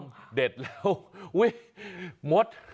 ความควรเด็ดแล้วอุ้ยหมด